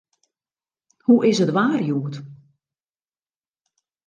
Hoe is it waar hjoed?